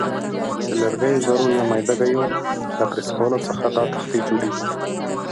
د لرګیو ذرو یا میده ګیو له پرس کولو څخه دا تختې جوړیږي.